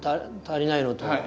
足りないのと。